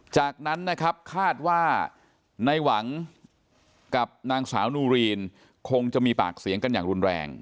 จากนั้นนะครับคาดว่าในหวังกับนางสาวนูรีนคงจะมีปากเสียงกันอย่างรุนแรง